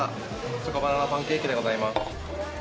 チョコバナナパンケーキでございます。